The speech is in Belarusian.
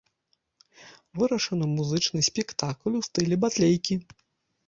Вырашаны музычны спектакль у стылі батлейкі.